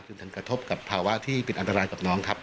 ถึงกระทบกับภาวะที่เป็นอันตรายกับน้องครับ